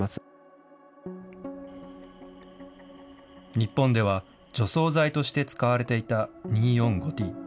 日本では除草剤として使われていた２，４，５ーＴ。